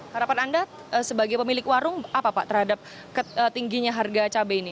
harapan anda sebagai pemilik warung apa pak terhadap tingginya harga cabai ini